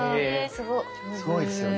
すごいですよね？